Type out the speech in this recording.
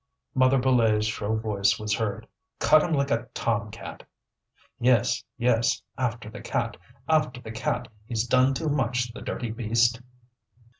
Mother Brulé's shrill voice was heard: "Cut him like a tom cat!" "Yes, yes, after the cat! after the cat! He's done too much, the dirty beast!"